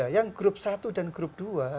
yang grup satu dan grup dua